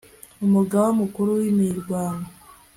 umugaba mukuru w'imirwano